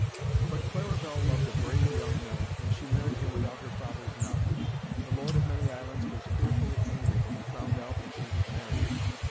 But Claribel loved a brave young knight, and she married him without her father's knowledge. The Lord of Many Islands was fearfully angry when he found out that she was married.